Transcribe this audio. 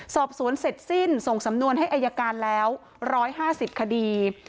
สอบสวนเสร็จสิ้นส่งสำนวนให้อายการแล้ว๑๕๐คดี